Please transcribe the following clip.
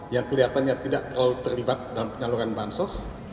yang kelihatannya tidak terlalu terlibat dalam penyaluran bansos